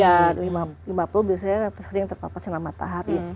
ya lima puluh biasanya yang terlalu papar sinar matahari